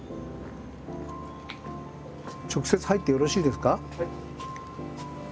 直接入ってよろしいですか。